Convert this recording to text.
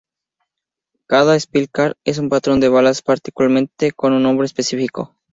Cada spell card es un patrón de balas particular con un nombre específico.